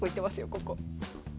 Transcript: ここ。